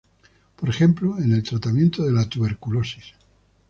Por ejemplo, en el tratamiento de la tuberculosis.